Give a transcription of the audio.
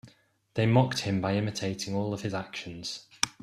They mocked him by imitating all of his actions.